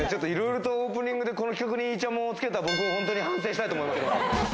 いろいろとオープニングでこの企画に、いちゃもんをつけた僕、本当に反省したいと思います。